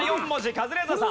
カズレーザーさん。